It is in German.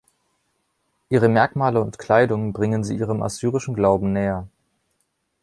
Ihre Merkmale und Kleidung bringen sie ihrem assyrischen Glauben näher.